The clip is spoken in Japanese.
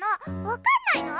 分かんないの？